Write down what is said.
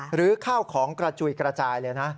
หรือข้าวของกระจุยกระจายเลยนะ